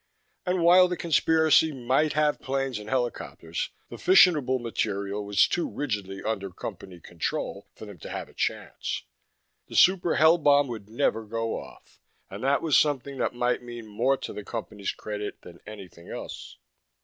And while the conspiracy might have planes and helicopters, the fissionable material was too rigidly under Company control for them to have a chance. The Super Hell bomb would never go off. And that was something that might mean more to the Company's credit than anything else.